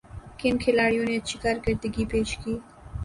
کن کھلاڑیوں نے اچھی کارکردگی پیش کی